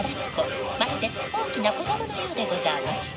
まるで大きな子供のようでござあます。